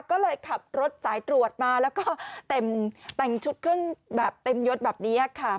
ก็เลยขับรถสายตรวจมาแล้วก็แต่งชุดเครื่องแบบเต็มยดแบบนี้ค่ะ